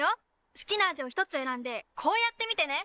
好きな味を１つ選んでこうやって見てね！